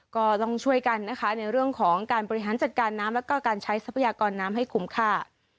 ก็ต้องช่วยกันนะคะในเรื่องของการบริหารจัดการน้ำแล้วก็การใช้ทรัพยากรน้ำให้คุ้มค่า